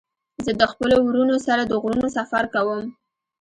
زه د خپلو ورونو سره د غرونو سفر کوم.